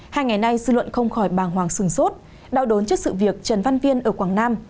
hai ngày nay dư luận không khỏi bàng hoàng sừng sốt đau đốn trước sự việc trần văn viên ở quảng nam